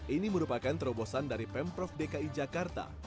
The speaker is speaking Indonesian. ini merupakan terobosan dari pemprov dki jakarta